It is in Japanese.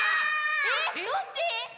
えっ⁉どっち？